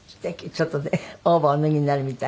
ちょっとねオーバーをお脱ぎになるみたい。